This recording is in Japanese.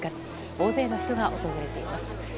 大勢の人が訪れています。